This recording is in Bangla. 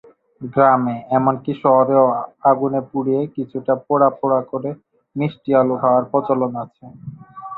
গ্রামে, এমন কি শহরেও আগুনে পুড়িয়ে কিছুটা পোড়া পোড়া করে মিষ্টি আলু খাওয়ার প্রচলন আছে।